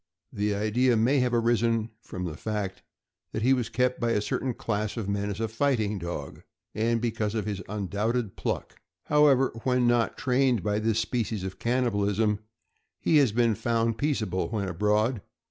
The idea may have arisen from the fact that he was kept by a certain class of men as a fighting dog, and because of his undoubted pluck. However, when not trained by this species of cannibalism, he has been found peaceable when abroad.